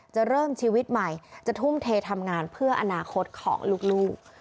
จะเริ่มชีวิตใหม่จะทุ่มเททำงานเพื่ออนาคตของลูก